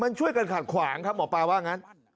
มันช่วยกันขัดขวางครับหมอปลาว่างั้น